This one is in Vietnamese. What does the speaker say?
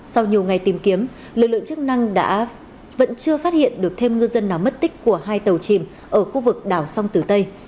sau nhiều ngày tìm kiếm lực lượng chức năng vẫn chưa phát hiện được thêm ngư dân nào mất tích của hai tàu chìm ở khu vực đảo sông tử tây